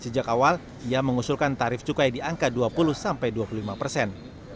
sejak awal ia mengusulkan tarif cukai di angka dua puluh sampai dua puluh lima persen